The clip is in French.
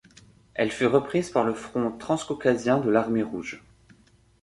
Elle fut reprise par le Front transcaucasien de l'Armée rouge.